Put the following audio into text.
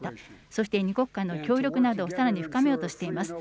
そして、２国間の協力などをさらに深めようとしています。